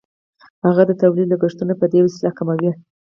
هغه د تولید لګښتونه په دې وسیله کموي